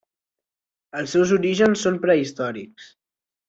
Els seus orígens són prehistòrics.